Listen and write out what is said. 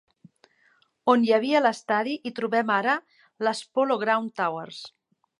On hi havia l'estadi hi trobem ara les Polo Grounds Towers.